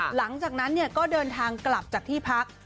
หลังจากนั้นก็เดินทางกลับจากที่พัก